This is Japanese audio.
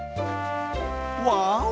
わお！